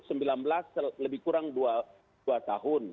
covid sembilan belas lebih kurang dua tahun